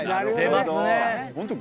出ますね。